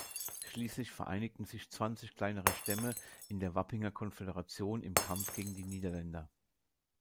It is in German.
Schließlich vereinigten sich zwanzig kleinere Stämme in der Wappinger-Konföderation im Kampf gegen die Niederländer.